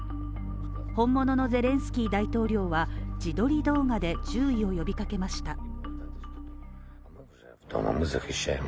本物のゼレンスキー大統領は、自撮り動画で注意を呼びかけました。